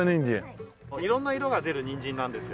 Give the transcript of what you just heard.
色んな色が出るニンジンなんですよ。